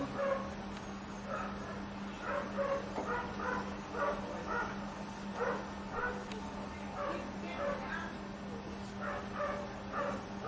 สักนิดเดี๋ยวมันจะมาในตั้งแต่ว่าอะไรวะ